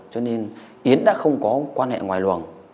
cho nên yến đã không có quan hệ ngoài luồng